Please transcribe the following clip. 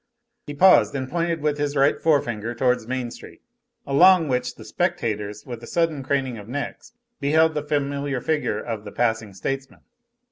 He paused, and pointed with his right forefinger towards Main Street, along which the spectators, with a sudden craning of necks, beheld the familiar figure of the passing statesman.